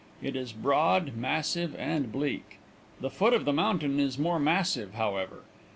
It is broad, massive and bleak. The foot of the mountain is more massive, however.